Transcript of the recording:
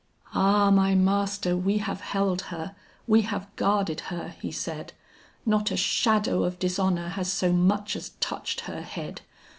"Ah my master, we have held her, we have guarded her," he said, "Not a shadow of dishonor has so much as touched her head.